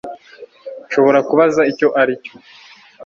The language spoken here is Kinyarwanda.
Nshobora kubaza icyo aricyo